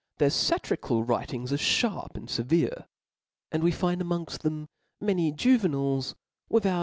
Their falirical writings are fharp and fevere, and we find amongft them many Juvenals, without.